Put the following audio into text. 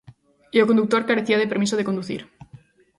E o condutor carecía de permiso de conducir.